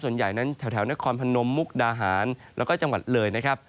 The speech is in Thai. ส่วนใหญ่นั้นแถวเคราะห์นครพนมมุกดาหารและจังหวัดเหลย